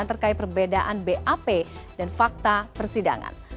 terkait perbedaan bap dan fakta persidangan